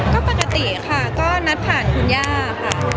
ก็ปกติค่ะก็นัดผ่านคุณย่าค่ะ